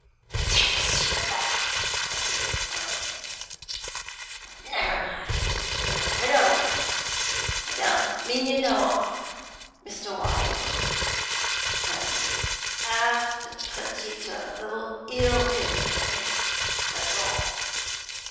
"It takes you back a bit, don't it! Never mind; you'll get over it. I don't mean you no 'arm, Mr. Waymark, but I'll have to put you to a little ill convenience, that's all.